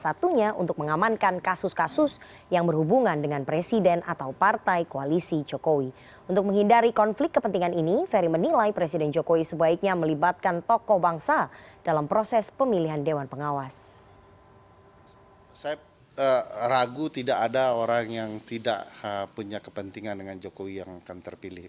saya ragu tidak ada orang yang tidak punya kepentingan dengan jokowi yang akan terpilih